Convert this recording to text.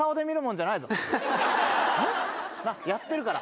やってるから。